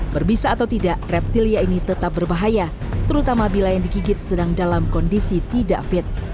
berbisa atau tidak reptilia ini tetap berbahaya terutama bila yang digigit sedang dalam kondisi tidak fit